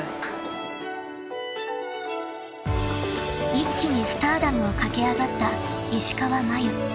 ［一気にスターダムを駆け上がった石川真佑］